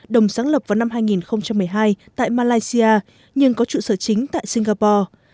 đồng sáng lập vào năm hai nghìn một mươi hai tại malaysia nhưng có trụ sở chính tại singapore